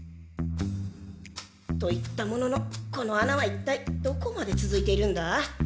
と言ったもののこのあなは一体どこまでつづいているんだ？